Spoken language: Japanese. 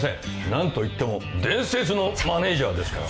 何といっても伝説のマネジャーですから。